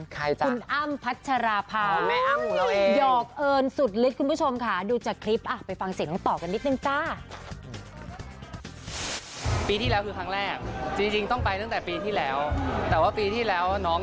ใครจ้ะคุณอ้ำพัชราภาโอ้โหไม่อ้ำเหมือนเราเอง